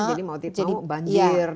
jadi mau dititau banjir